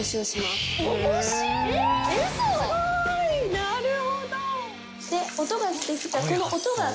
なるほど。